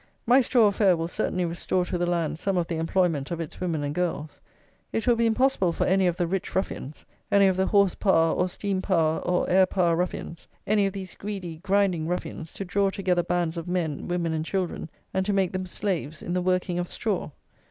My straw affair will certainly restore to the land some of the employment of its women and girls. It will be impossible for any of the "rich ruffians;" any of the horse power or steam power or air power ruffians; any of these greedy, grinding ruffians, to draw together bands of men, women and children, and to make them slaves, in the working of straw.